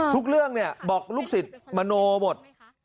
ทุกเรื่องบอกลูกศิษย์มโนหมด